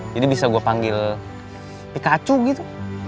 jadi bisa gue panggil pikachu gitu